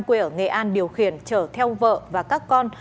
quê ở nghệ an điều khiển chở theo vợ và các con